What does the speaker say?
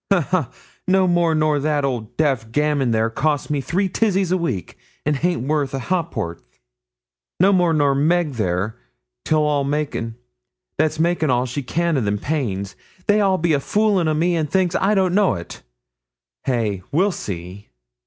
ha, ha. No more nor that old deaf gammon there that costs me three tizzies a week, and haint worth a h'porth no more nor Meg there, that's making all she can o' them pains. They be all a foolin' o' me, an' thinks I don't know't. Hey? we'll see.'